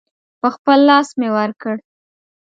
په خپل لاس مې ورکړ.